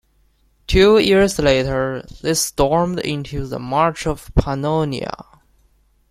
Two years later, they stormed into the March of Pannonia.